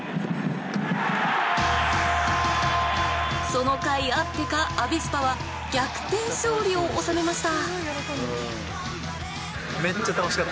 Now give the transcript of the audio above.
そのかいあってかアビスパは逆転勝利を収めました。